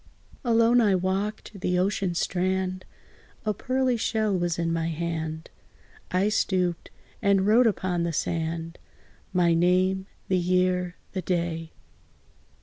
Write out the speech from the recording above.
Alone I walked the ocean strand; A pearly shell was in my hand: I stooped, and wrote upon the sand My name the year the day.